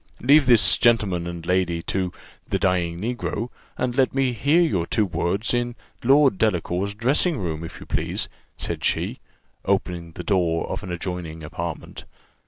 Leave this gentleman and lady to 'the dying Negro,' and let me hear your two words in Lord Delacour's dressing room, if you please," said she, opening the door of an adjoining apartment.